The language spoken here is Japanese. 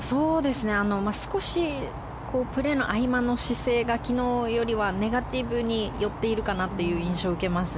少し、プレーの合間の姿勢が昨日よりネガティブに寄っているかなという印象を受けます。